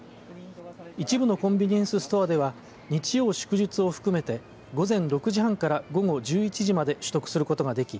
一部のコンビニエンスストアでは日曜、祝日を含めて午前６時半から午後１１時まで取得することができ